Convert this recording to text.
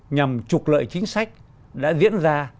nhằm trục lợi chính sách đã diễn ra